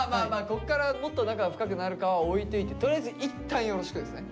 こっからもっと仲深くなるかは置いといてとりあえず一旦「よろしく！」ですね。